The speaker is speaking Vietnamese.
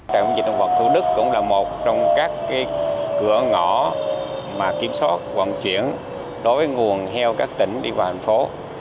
trạm kiểm dịch động vật thủ đức cũng là một trong các cửa ngõ kiểm soát hoàn chuyển đối với nguồn heo các tỉnh đi vào thành phố